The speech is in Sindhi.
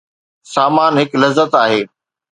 سامان هڪ ذلت آهي